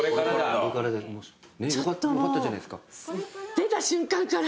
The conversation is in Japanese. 出た瞬間から。